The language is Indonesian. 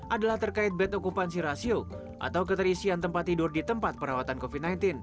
adalah terkait bad okupansi rasio atau keterisian tempat tidur di tempat perawatan covid sembilan belas